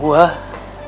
cinta mati sama dia